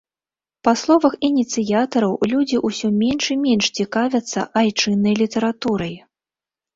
Па словах ініцыятараў, людзі ўсё менш і менш цікавяцца айчыннай літаратурай.